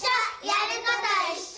やることいっしょ！